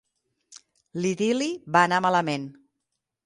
L'idil·li va anar malament.